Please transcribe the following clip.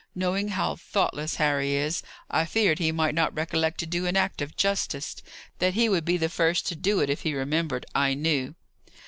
Knowing how thoughtless Harry is, I feared he might not recollect to do an act of justice. That he would be the first to do it if he remembered, I knew."